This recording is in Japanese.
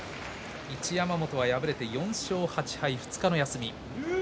一山本は敗れて４勝８敗２日の休み。